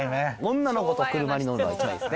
女の子と車に乗るのが一番いいですね